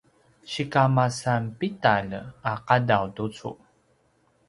sikamasan pidalj a qadaw tucu?